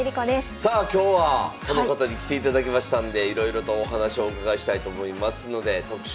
さあ今日はこの方に来ていただきましたんでいろいろとお話をお伺いしたいと思いますので特集まいりましょう。